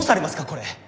これ。